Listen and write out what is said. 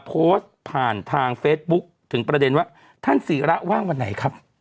โพสต์ผ่านทางเฟซบุ๊คถึงประเด็นว่าท่านศีระว่างวันไหนครับ